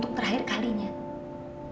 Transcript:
lihatlah ini juga binaknya pra buzz